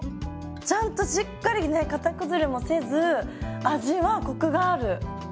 ちゃんとしっかりねかた崩れもせず味はコクがある。